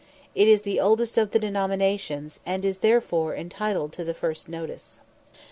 It is the oldest of the denominations, and is therefore entitled to the first notice.